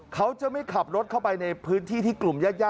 เขาจะไม่ขับรถเข้าไปในพื้นที่ที่กลุ่มญาติ